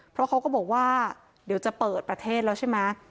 เพราะเขาก็บอกว่าเดี๋ยวจะเปิดประเทศแล้วใช่ไหม